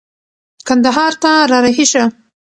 کندهار ته را رهي شه.